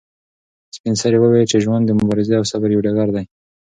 سپین سرې وویل چې ژوند د مبارزې او صبر یو ډګر دی.